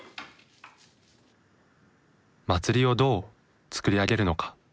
祭りをどうつくり上げるのか。